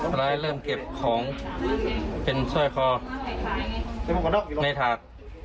พ่อร้ายเริ่มเก็บของเป็นสร้อยคอในถาด